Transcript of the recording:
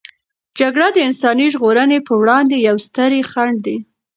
جګړه د انساني ژغورنې په وړاندې یوې سترې خنډ دی.